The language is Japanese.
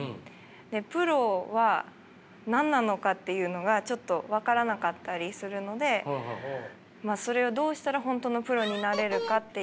プロは何なのかっていうのがちょっと分からなかったりするのでそれをどうしたら本当のプロになれるかっていう。